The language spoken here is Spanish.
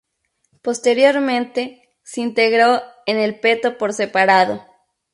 Posteriormente, se integró en el peto por separado.